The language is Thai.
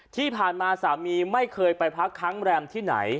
ที่ผ่านมาสามีไม่เคยไปพักค้างแรมที่ไหน